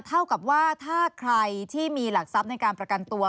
เท่ากับว่าถ้าใครที่มีหลักทรัพย์ในการประกันตัว